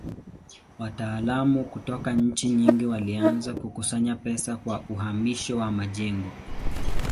Wataalamu kutoka nchi nyingi walianza kukusanya pesa kwa uhamisho wa majengo.